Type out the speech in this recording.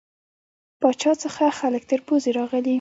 پاچا څخه خلک تر پوزې راغلي.